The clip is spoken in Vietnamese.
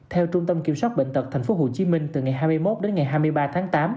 theo trung tâm kiểm soát bệnh tật tp hcm từ ngày hai mươi một đến ngày hai mươi ba tháng tám